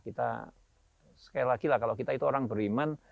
kita sekali lagi lah kalau kita itu orang beriman